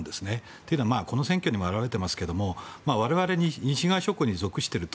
というのはこの選挙にも表れていますが我々、西側諸国に属していると